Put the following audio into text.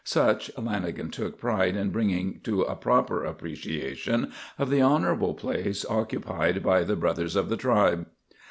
Such Lanagan took pride in bringing to a proper appreciation of the honourable place occupied by the brothers of the Tribe.